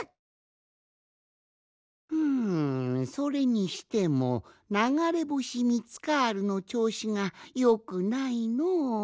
ふんそれにしてもながれぼしミツカールのちょうしがよくないのう。